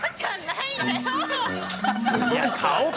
いや、顔、顔。